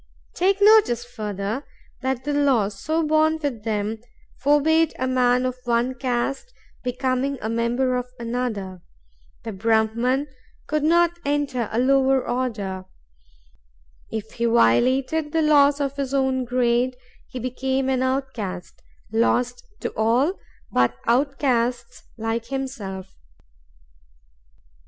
Take notice, further, that the law, so born with them, forbade a man of one caste becoming a member of another; the Brahman could not enter a lower order; if he violated the laws of his own grade, he became an outcast, lost to all but outcasts like himself."